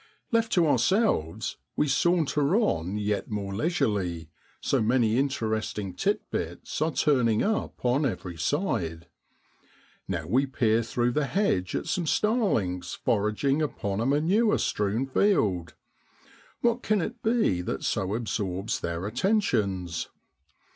Left to ourselves, we saunter on yet more leisurely, so many interesting tit bits are turning up on every side. Now we peer through the hedge at some starlings foraging upon a manure strewn field. What can it be that so absorbs their attentions?